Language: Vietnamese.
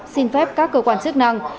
xin phép các cơ quan chức năng